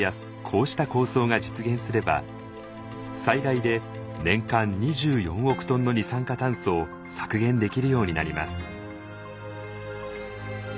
こうした構想が実現すれば最大で年間２４億トンの二酸化炭素を削減できるようになります。